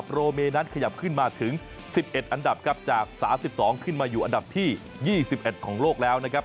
โรเมนั้นขยับขึ้นมาถึง๑๑อันดับครับจาก๓๒ขึ้นมาอยู่อันดับที่๒๑ของโลกแล้วนะครับ